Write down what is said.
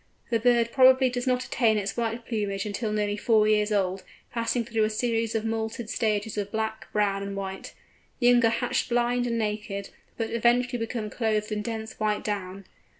The bird probably does not attain its white plumage until nearly four years old, passing through a series of mottled stages of black, brown, and white. The young are hatched blind and naked, but eventually become clothed in dense white down.